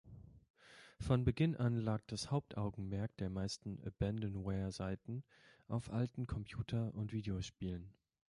Von Beginn an lag das Hauptaugenmerk der meisten Abandonware-Seiten auf alten Computer- und Videospielen.